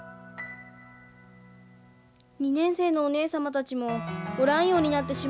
２年生のおねえ様たちもおらんようになってしもうて。